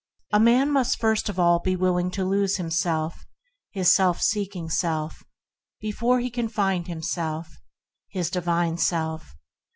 A man must first of all be willing to lose his self seeking self before he can find his divine self.